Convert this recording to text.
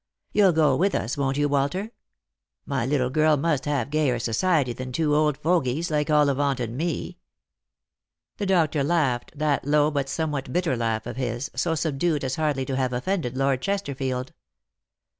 You'll go with us, won't you, Walter ? My little girl must have gayer society than two old fogies like Ollivant and me." The doctor laughed, that low but somewhat bitter laugh of his, so subdued as hardly to have offended Lord Chesterfield.